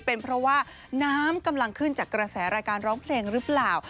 เป็นเพราะว่าน้ำกำลังขึ้นจากกระแสรายการร้องเพลงหรือเปล่า